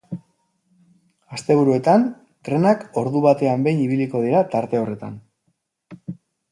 Asteburuetan, trenak ordu batean behin ibiliko dira tarte horretan.